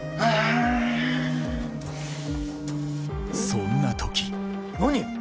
そんな時何？